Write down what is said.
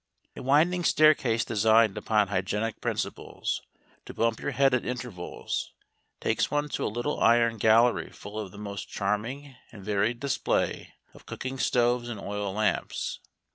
A winding staircase designed upon hygienic principles, to bump your head at intervals, takes one to a little iron gallery full of the most charming and varied display of cooking stoves and oil lamps.